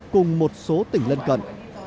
cùng một số tỉnh lân cận